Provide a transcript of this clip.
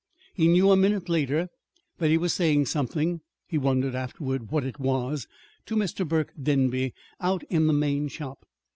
He knew, a minute later, that he was saying something (he wondered afterward what it was) to Mr. Burke Denby out in the main shop.